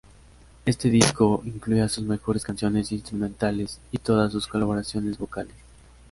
Este disco incluía sus mejores canciones instrumentales y todas sus colaboraciones vocales.